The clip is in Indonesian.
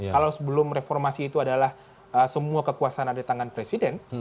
kalau sebelum reformasi itu adalah semua kekuasaan ada di tangan presiden